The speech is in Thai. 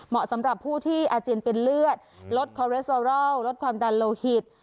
สำหรับผู้ที่อาเจียนเป็นเลือดลดคอเรสเตอรอลลดความดันโลหิต